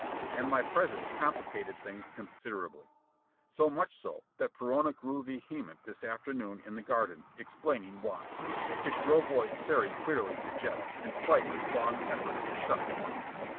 And my presence complicated things considerably. So much so that Perona grew vehement, this afternoon in the garden, explaining why. His shrill voice carried clearly to Jetta, in spite of Spawn's efforts to shut him up.